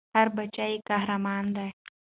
هر بــچی ېي قـــهــــــــرمان دی